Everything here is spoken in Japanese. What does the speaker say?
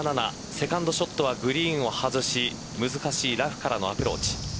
セカンドショットはグリーンを外し難しいラフからのアプローチ。